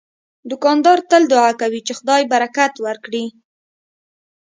دوکاندار تل دعا کوي چې خدای برکت ورکړي.